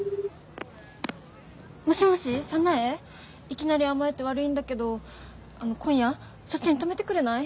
いきなり甘えて悪いんだけど今夜そっちに泊めてくれない？